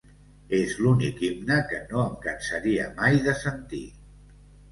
És l'únic himne que no em cansaria mai de sentir.